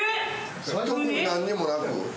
特に何にもなく。